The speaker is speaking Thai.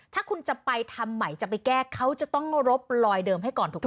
ถ้าคุณจะไปทำใหม่จะไปแก้เขาจะต้องรบลอยเดิมให้ก่อนถูกไหม